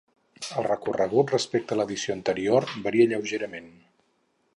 El recorregut respecte a l'edició anterior varia lleugerament.